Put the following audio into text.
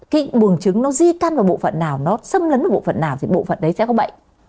cái buồng trứng nó di căn vào bộ phận nào nó xâm lấn vào bộ phận nào thì bộ phận đấy sẽ có bệnh